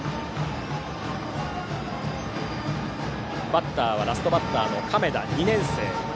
バッターはラストバッター、亀田。